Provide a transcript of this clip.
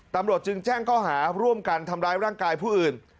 ตำรวจจึงแจ้งข้อหาร่วมกันทำร้ายร่างกายผู้อื่น